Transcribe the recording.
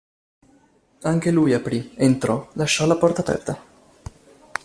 Anche lui aprì, entrò, lasciò la porta aperta.